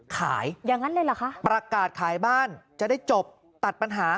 ขายปรากาศขายบ้านจะได้จบตัดปัญหา